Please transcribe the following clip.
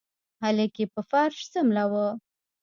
هلک يې په فرش سملوه.